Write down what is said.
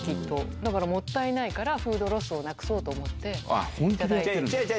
だからもったいないから、フードロスをなくそうと思って。